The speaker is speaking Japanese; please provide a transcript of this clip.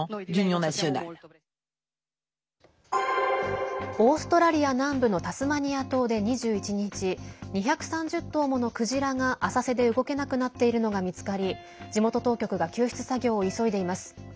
オーストラリア南部のタスマニア島で２１日２３０頭ものクジラが浅瀬で動けなくなっているのが見つかり地元当局が救出作業を急いでいます。